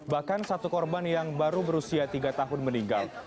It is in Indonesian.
bahkan satu korban yang baru berusia tiga tahun meninggal